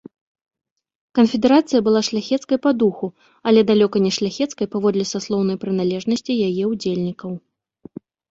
Канфедэрацыя была шляхецкай па духу, але далёка не шляхецкай паводле саслоўнай прыналежнасці яе ўдзельнікаў.